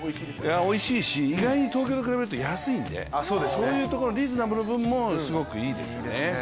おいしいし意外に東京に比べると安いんでそういうところのリーズナブルなところもいいですね。